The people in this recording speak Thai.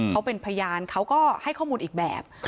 เขาเป็นพยานเขาก็ให้ข้อมูลอีกแบบ